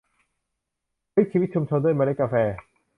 พลิกชีวิตชุมชนด้วยเมล็ดกาแฟ